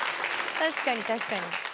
確かに確かに。